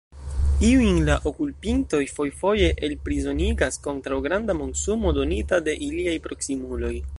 Iujn la okupintoj fojfoje elprizonigas kontraŭ granda monsumo donita de iliaj proksimuloj.